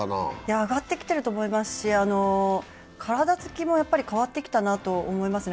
上がってきていると思いますし、体つきも変わってきたなと思いますね。